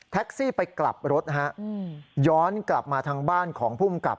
แท็กซี่ไปกลับรถย้อนกลับมาทางบ้านของภูมิกับ